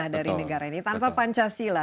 dari negara ini tanpa pancasila